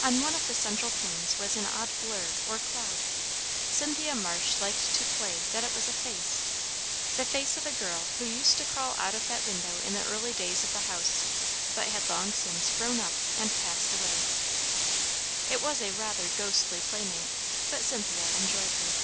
On one of the central panes was an odd blur or cloud. Cynthia Marsh liked to "play" that it was a face, the face of a girl who used to crawl out of that window in the early days of the house, but had long since grown up and passed away. It was rather a ghostly playmate, but Cynthia enjoyed her.